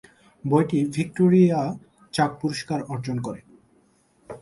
বইটি ভিক্টোরিয়া চাক পুরস্কার অর্জন করে।